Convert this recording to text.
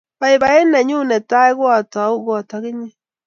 baibaiet nenyun ko a tau kot ak inyen